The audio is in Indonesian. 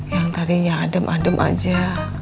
yang tadinya adem adem aja